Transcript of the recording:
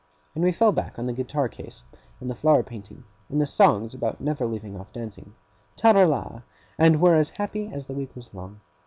And we fell back on the guitar case, and the flower painting, and the songs about never leaving off dancing, Ta ra la! and were as happy as the week was long.